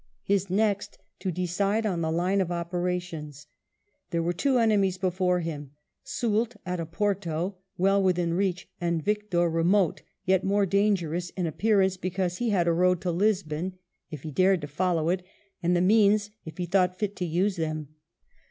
His next to decide on the line of operations. There were two enemies before him — Soult at Oporto, well within reach, and Victor, remote, yet more dangerous in appearance because he had a road to Lisbon, if he dared no WELLINGTON chap. to follow it, and the means if he thought fit to use them.